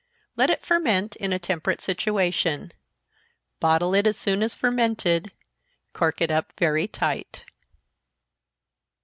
Let it ferment in a temperate situation bottle it as soon as fermented, cork it up very tight.